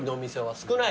少ない？